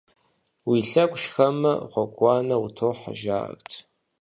Уи лъэгу шхэмэ, гъуэгуанэ утохьэ жаӀэрт.